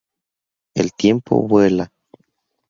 El tiempo vuela.